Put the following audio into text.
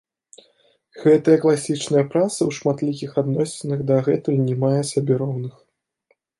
Гэтая класічная праца ў шматлікіх адносінах дагэтуль не мае сабе роўных.